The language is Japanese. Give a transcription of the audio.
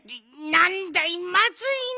なんだいまずいね！